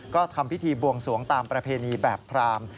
ก็ทำพิธีบวงสวงตามประเพณีแบบพราม